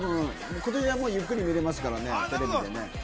今年はゆっくり見れますからね。